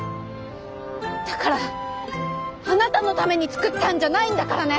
だからあなたのために作ったんじゃないんだからね！